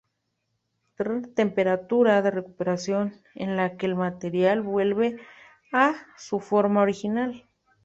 Tr: temperatura de recuperación, en la que el material vuelve a su forma original.